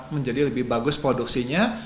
menjadi lebih bagus produksinya